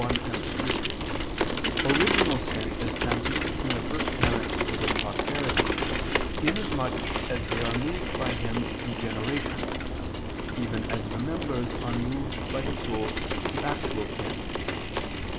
1, 3), original sin is transmitted from the first parent to his posterity, inasmuch as they are moved by him through generation, even as the members are moved by the soul to actual sin.